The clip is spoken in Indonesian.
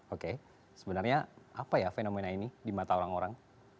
oke sebenarnya apa ya fenomena ini di mata orang orang